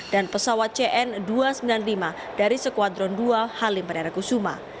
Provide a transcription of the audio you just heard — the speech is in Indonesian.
dan pesawat cn dua ratus sembilan puluh lima dari sekuadron dua halim penerak kusuma